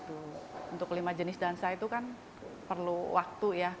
untuk lima jenis dansa itu kan perlu waktu ya